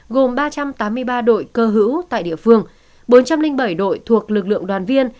gồm ba trăm tám mươi ba đội cơ hữu tại địa phương bốn trăm linh bảy đội thuộc lực lượng đoàn viên